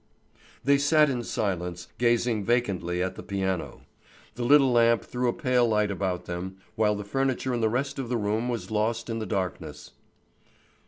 They sat in silence, gazing vacantly at the piano. The little lamp threw a pale light about them, while the furniture in the rest of the room was lost in the darkness.